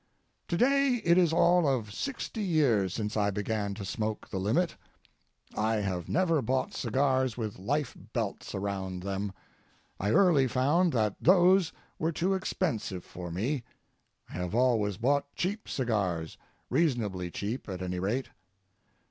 To day it is all of sixty years since I began to smoke the limit. I have never bought cigars with life belts around them. I early found that those were too expensive for me: I have always bought cheap cigars—reasonably cheap, at any rate.